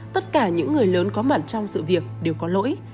tất cả những người lớn có mặt trong sự việc đều có lỗi